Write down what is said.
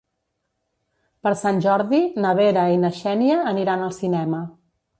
Per Sant Jordi na Vera i na Xènia aniran al cinema.